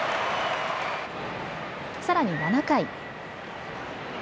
さらに７回。